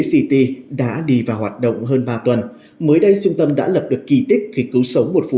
city đã đi vào hoạt động hơn ba tuần mới đây trung tâm đã lập được kỳ tích khi cứu sống một phụ